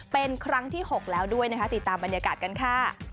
เป็นครั้งที่๖แล้วด้วยนะคะติดตามบรรยากาศกันค่ะ